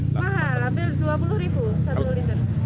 mahal hampir dua puluh ribu satu liter